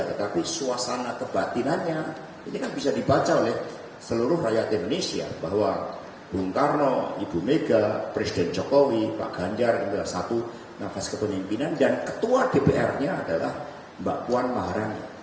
tetapi suasana kebatinannya ini kan bisa dibaca oleh seluruh rakyat indonesia bahwa bung karno ibu mega presiden jokowi pak ganjar ini adalah satu nafas kepemimpinan dan ketua dpr nya adalah mbak puan maharani